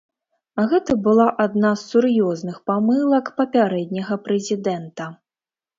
Гэта была адна з сур'ёзных памылак папярэдняга прэзідэнта.